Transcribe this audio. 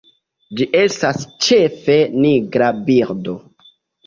Ĝi estas ĉefe nigra birdo.